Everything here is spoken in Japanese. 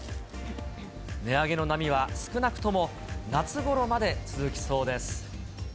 値上げの波は少なくとも夏ごろまで続きそうです。